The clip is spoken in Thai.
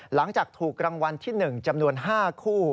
หลังจากถูกรางวัลที่๑จำนวน๕คู่